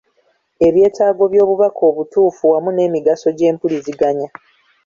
Ebyetaago by’obubaka obutuufu wamu n’emigaso gy’empuliziganya.